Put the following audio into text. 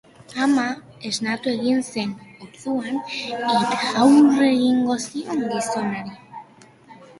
Ama esnatu egin zen orduan, eta aurre egin zion gizonari.